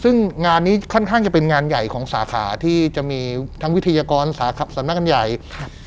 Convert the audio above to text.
ซึ่งงานนี้ค่อนข้างจะเป็นงานใหญ่ของสาขาที่จะมีทั้งวิทยากรสาขับสำนักงานใหญ่ครับ